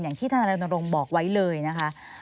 อย่างที่ท่านานรนดรงค์บอกไว้เลยนะคะ